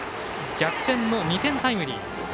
逆転の２点タイムリー。